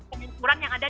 pengukuran yang ada